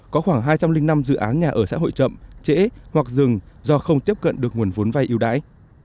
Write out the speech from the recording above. có khoảng hai trăm linh năm dự án nhà ở xã hội chậm trễ hoặc dừng do không tiếp cận được nguồn vốn vai yêu đãi